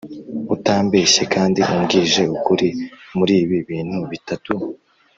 Utambeshye kandi umbwije ukuri muribi bintu bitatu